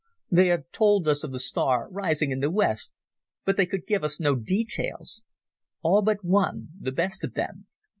They have told us of the star rising in the West, but they could give us no details. All but one—the best of them.